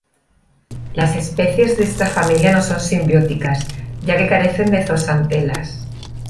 Las especies de esta familia no son simbióticas, ya que carecen de zooxantelas.